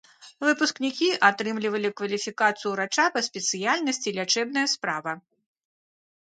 Выпускнікі атрымлівалі кваліфікацыю ўрача па спецыяльнасці лячэбная справа.